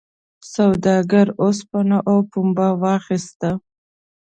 سوداګر اوسپنه او پنبه واخیسته.